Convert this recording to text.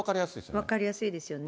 分かりやすいですよね。